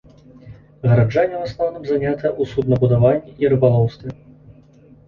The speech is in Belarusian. Гараджане ў асноўным занятыя ў суднабудаванні і рыбалоўстве.